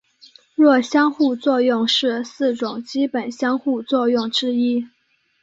弱相互作用是四种基本相互作用之一。